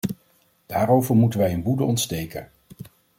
Daarover moeten wij in woede ontsteken!